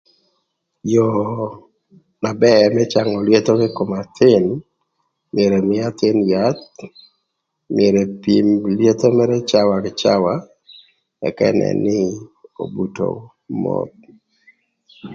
Yoo na bër më cangö lyetho kï kom athïn, myero ëmïï athïn yath, myero epim lyetho mërë cawa kï cawa ëk ënën nï obuto moth.